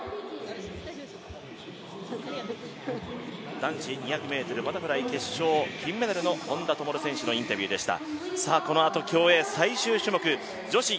男子２００ｍバタフライ決勝金メダルの本多灯選手のインタビューでした。